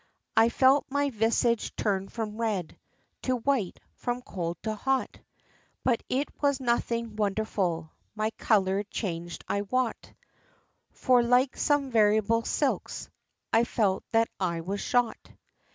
VII. I felt my visage turn from red To white from cold to hot; But it was nothing wonderful My color changed, I wot, For, like some variable silks, I felt that I was shot.